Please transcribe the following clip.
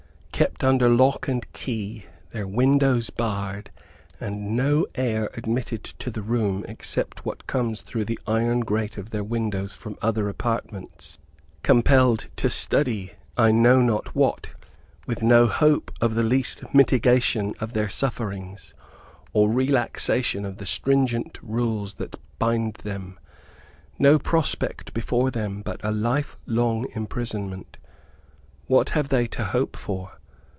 Kept under lock and key, their windows barred, and no air admitted to the room except what comes through the iron grate of their windows from other apartments; compelled to study, I know not what; with no hope of the least mitigation of their sufferings, or relaxation of the stringent rules that bind them; no prospect before them but a life long imprisonment; what have they to hope for?